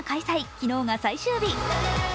昨日が最終日。